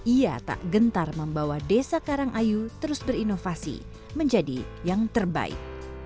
ia tak gentar membawa desa karangayu terus berinovasi menjadi yang terbaik